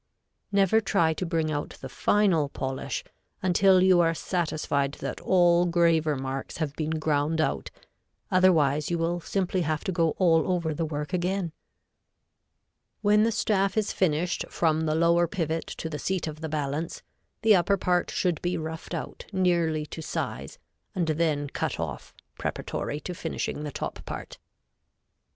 Never try to bring out the final polish until you are satisfied that all graver marks have been ground out, otherwise you will simply have to go all over the work again. [Illustration: Fig. 17.] When the staff is finished from the lower pivot to the seat of the balance, the upper part should be roughed out nearly to size and then cut off preparatory to finishing the top part.